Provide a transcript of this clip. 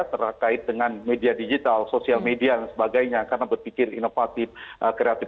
terkait dengan media digital sosial media dan sebagainya karena berpikir inovatif kreatif